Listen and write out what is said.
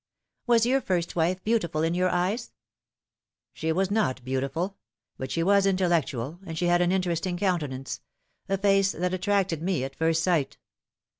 Was your first wife beautiful in your eyes ?"" She was not beautiful ; but she was intellectual, and she had an interesting countenance a face that attracted me at first sight.